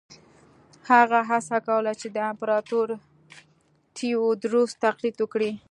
هغه هڅه کوله چې د امپراتور تیوودروس تقلید وکړي.